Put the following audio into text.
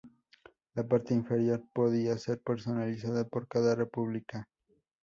La parte inferior podía ser personalizada por cada república.